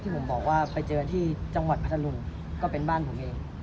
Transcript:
ผมบอกว่าไปเจอที่จังหวัดพัทธรุงก็เป็นบ้านผมเอง